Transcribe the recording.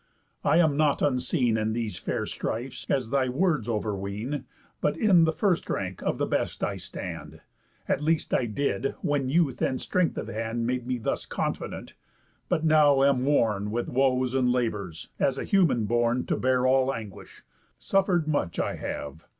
I am not unseen In these fair strifes, as thy words overween, But in the first rank of the best I stand; At least I did, when youth and strength of hand Made me thus confident, but now am worn With woes and labours, as a human born To bear all anguish. Suffer'd much I have.